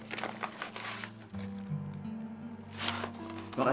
tolong jangan mendekat pak imam